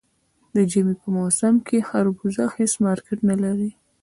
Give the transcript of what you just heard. د ژمي په موسم کې خربوزه هېڅ مارکېټ نه لري.